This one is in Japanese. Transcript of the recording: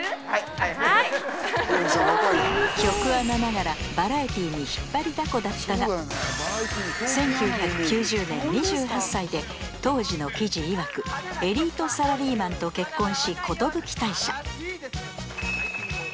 はいはいはい局アナながらバラエティに引っ張りだこだったが１９９０年２８歳で当時の記事いわく「エリートサラリーマン」と結婚し寿退社